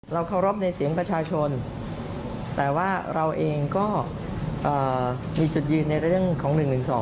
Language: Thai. เคารพในเสียงประชาชนแต่ว่าเราเองก็มีจุดยืนในเรื่องของ๑๑๒